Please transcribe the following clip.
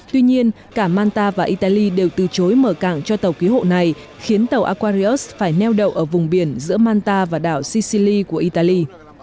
tuy nhiên cả malta và italy đều từ chối mở cảng cho tàu ký hộ này khiến tàu aquarius phải neo đậu ở vùng biển giữa malta và đảo sicily của italy